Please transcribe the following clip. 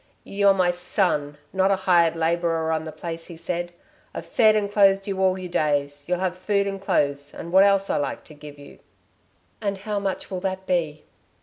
"You're my son not a hired labourer on the place," he said. "I've fed and clothed you all your days. You'll have food and clothes and what else I like to give you." "And how much will that be?"